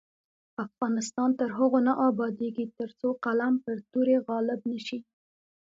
افغانستان تر هغو نه ابادیږي، ترڅو قلم پر تورې غالب نشي.